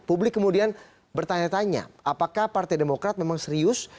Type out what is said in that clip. publik kemudian bertanya tanya apakah partai demokrat memang serius